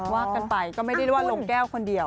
ว่ากันไปก็ไม่ได้ว่าลงแก้วคนเดียว